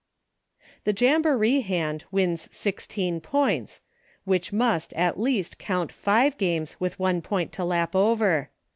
The Jamboree hand wins sixteen points, which must, at least, count five games with one point to lap over.